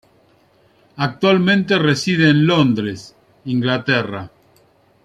Actualmente reside en Londres, Inglaterra.